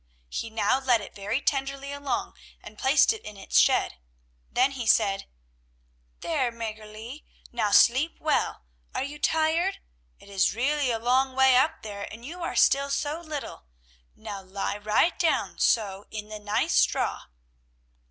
He now led it very tenderly along and placed it in its shed; then he said: "There, Mäggerli, now sleep well; are you tired? It is really a long way up there, and you are still so little. Now lie right down, so, in the nice straw!"